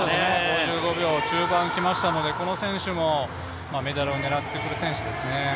５５秒中盤きましたので、この選手もメダルを狙ってくる選手ですね。